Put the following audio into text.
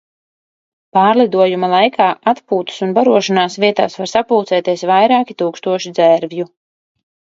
Pārlidojuma laikā atpūtas un barošanās vietās var sapulcēties vairāki tūkstoši dzērvju.